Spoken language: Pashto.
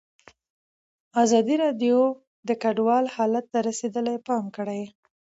ازادي راډیو د کډوال حالت ته رسېدلي پام کړی.